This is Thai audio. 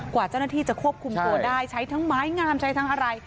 กว่าเจ้าหน้าที่จะควบคุมตัวได้ใช้ทั้งไม้งามใช้ทั้งอะไร